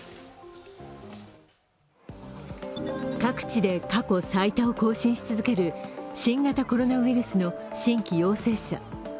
各地で過去最多を更新し続ける新型コロナウイルスの新規陽性者。